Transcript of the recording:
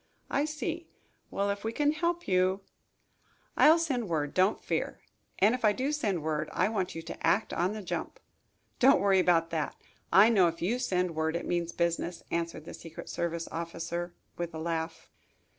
"I see. Well, if we can help you " "I'll send word, don't fear. And if I do send word, I want you to act on the jump." "Don't worry about that. I know if you send word it means business," answered the secret service officer, with a laugh.